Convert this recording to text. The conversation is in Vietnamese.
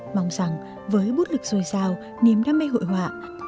mong rằng với bút lực dồi dào niềm đam mê hội họa